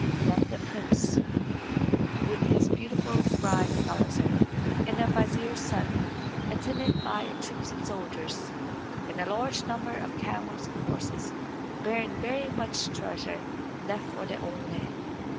Then the prince, with his beautiful bride Gulizar, and the vizier's son, attended by a troop of soldiers, and a large number of camels and horses bearing very much treasure, left for their own land.